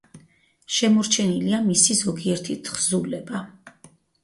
შემორჩენილია მისი ზოგიერთი თხზულება.